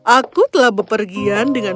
aku telah bepergian dengan